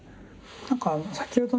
何か先ほどね